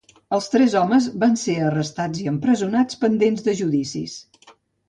Els tres homes van ser arrestats i empresonats pendents de judicis.